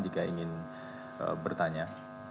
jika ingin bertanya